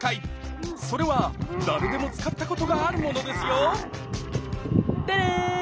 それは誰でも使ったことがあるものですよテレーン！